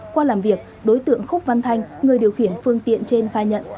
qua làm việc đối tượng khúc văn thanh người điều khiển phương tiện trên khai nhận